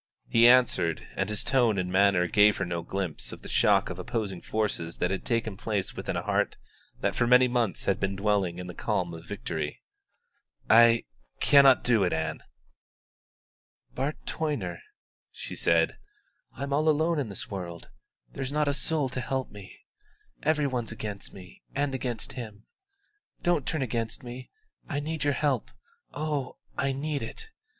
He answered, and his tone and manner gave her no glimpse of the shock of opposing forces that had taken place within a heart that for many months had been dwelling in the calm of victory. "I cannot do it, Ann." "Bart Toyner," she said, "I'm all alone in this world; there's not a soul to help me. Every one's against me and against him. Don't turn against me; I need your help oh, I need it!